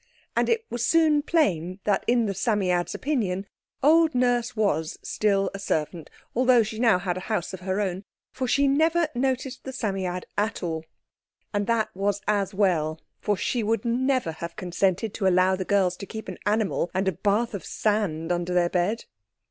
And it was soon plain that in the Psammead's opinion old Nurse was still a servant, although she had now a house of her own, for she never noticed the Psammead at all. And that was as well, for she would never have consented to allow the girls to keep an animal and a bath of sand under their bed.